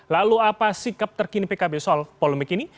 lalu apa sikap terkini pkb soal polemik ini